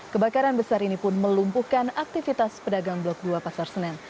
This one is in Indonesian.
kebakaran besar ini pun melumpuhkan aktivitas pedagang blok dua pasar senen